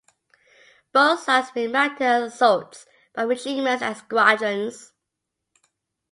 Both sides made mounted assaults by regiments and squadrons.